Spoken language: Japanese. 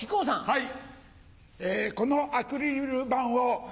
はい。